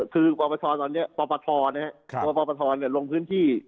คือปราปชรตอนเนี้ยปราปทรนะฮะครับปราปทรเนี่ยลงพื้นที่